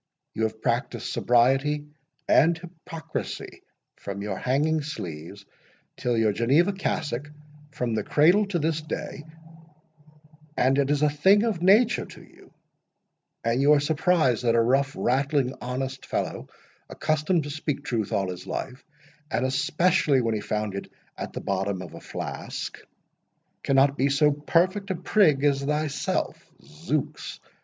You have practised sobriety and hypocrisy from your hanging sleeves till your Geneva cassock—from the cradle to this day,—and it is a thing of nature to you; and you are surprised that a rough, rattling, honest fellow, accustomed to speak truth all his life, and especially when he found it at the bottom of a flask, cannot be so perfect a prig as thyself—Zooks!